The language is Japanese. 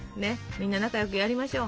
みんな仲良くやりましょう。